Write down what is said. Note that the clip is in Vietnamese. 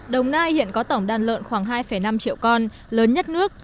đồng nai hiện có tổng đàn lợn khoảng hai năm triệu con lớn nhất nước